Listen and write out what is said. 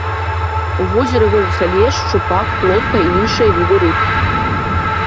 У возеры водзяцца лешч, шчупак, плотка і іншыя віды рыб.